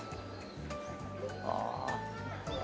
ああ。